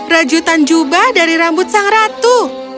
rajutan jubah dari rambut sang ratu